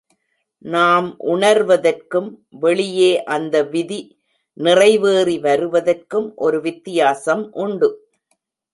நாம் உணர்வதற்கும், வெளியே அந்த விதி நிறைவேறி வருவதற்கும் ஒரு வித்தியாசம் உண்டு.